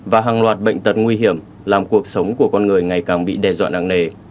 và hàng loạt bệnh tật nguy hiểm làm cuộc sống của con người ngày càng bị đe dọa nặng nề